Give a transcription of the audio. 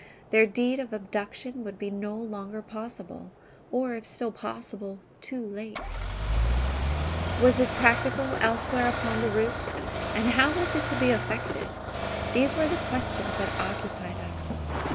There the deed of abduction would be no longer possible; or, if still possible, too late. Was it practicable elsewhere upon the route? And how was it to be effected? These were the questions that occupied us.